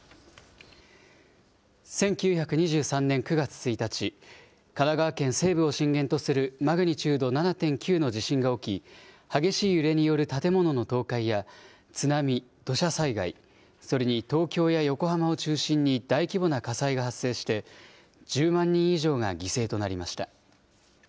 １９２３年９月１日、神奈川県西部を震源とするマグニチュード７．９の地震が起き、激しい揺れによる建物の倒壊や津波、土砂災害、それに東京や横浜を中心に大規模な火災が発生して、１０万人以上が犠牲となりました。